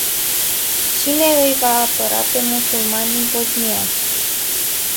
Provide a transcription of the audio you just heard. Cine îi va apăra pe musulmanii bosniaci?